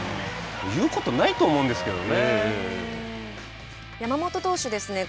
言うことないと思うんですけどね。